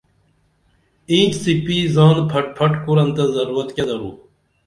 اینچ څِپِی زان پھٹ پھٹ کُرنتہ ضرورت کیہ درو